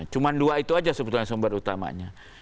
cuma dua itu saja sebetulnya sumber utamanya